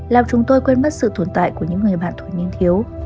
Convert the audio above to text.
làm chúng tôi quên mất sự tồn tại của những người bạn thuộc nghiên thiếu